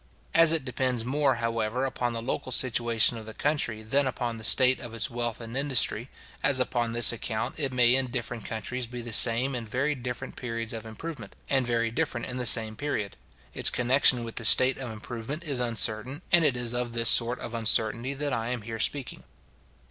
As it depends more, however, upon the local situation of the country, than upon the state of its wealth and industry; as upon this account it may in different countries be the same in very different periods of improvement, and very different in the same period; its connection with the state of improvement is uncertain; and it is of this sort of uncertainty that I am here speaking.